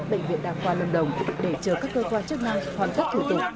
bệnh viện đạc qua lâm đồng để chờ các cơ quan chức năng hoàn tất thủ tục